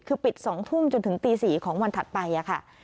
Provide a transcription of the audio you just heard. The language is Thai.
คือปิด๒ทุ่มจนถึงตี๔ของวันถัดไปค่ะ